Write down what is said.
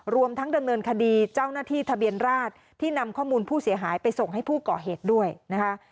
รวมทั้งดำเนินคดีเจ้าหน้าที่ทะเบียนราชที่นำข้อมูลผู้เสียหายไปส่งให้ผู้ก่อเหตุด้วยนะคะ